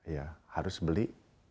ya harus beli